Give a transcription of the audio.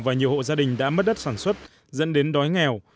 và nhiều hộ gia đình đã mất đất sản xuất dẫn đến đói nghèo